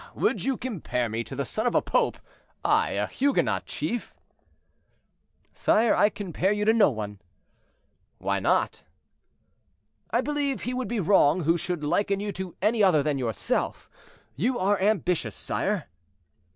would you compare me to the son of a pope—I, a Huguenot chief?" "Sire, I compare you to no one." "Why not?" "I believe he would be wrong who should liken you to any other than yourself. You are ambitious, sire."